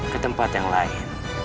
ketempat yang lain